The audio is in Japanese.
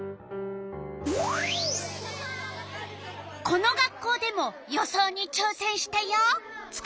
この学校でも予想にちょうせんしたよ。